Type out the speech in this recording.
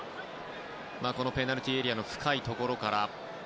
ペナルティーエリアの深いところから。